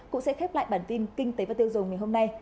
cũng sẽ khép lại bản tin kinh tế và tiêu dùng ngày hôm nay